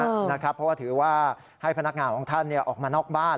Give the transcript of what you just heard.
เพราะว่าถือว่าให้พนักงานของท่านออกมานอกบ้าน